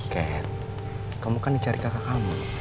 ken kamu kan dicari kakak kamu